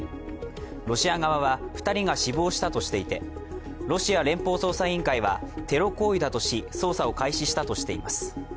ロシア側は２人が死亡したとしていてロシア連邦捜査委員会はテロ行為だとし、捜査を開始したとしています。